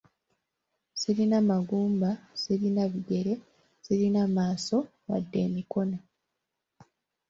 Sirina magumba, sirina bigere, sirina maaso wadde emikono.